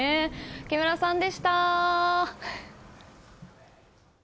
木村さんでした。